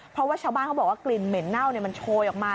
เพราะว่าชาวบ้านเขาบอกว่ากลิ่นเหม็นเน่ามันโชยออกมา